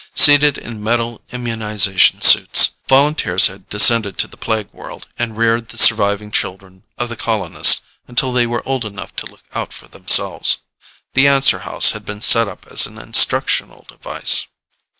Sealed in metal immunization suits, volunteers had descended to the plague world and reared the surviving children of the colonists until they were old enough to look out for themselves. The answer house had been set up as an instructional device.